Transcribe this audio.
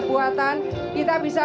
buatan kita bisa